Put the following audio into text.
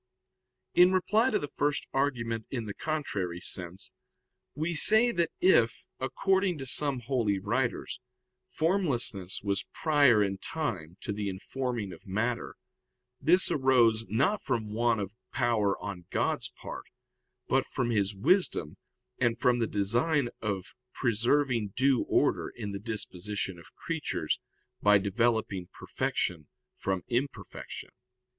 In reply to the first argument in the contrary sense, we say that if, according to some holy writers, formlessness was prior in time to the informing of matter, this arose, not from want of power on God's part, but from His wisdom, and from the design of preserving due order in the disposition of creatures by developing perfection from imperfection.